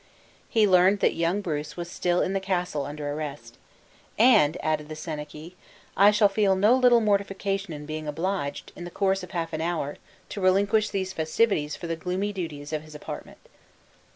He learned that young Bruce was still in the castle under arrest, "and," added the senachie, "I shall feel no little mortification in being obliged, in the course of half an hour, to relinquish these festivities for the gloomy duties of his apartment."